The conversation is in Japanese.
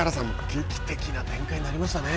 劇的な展開になりましたね。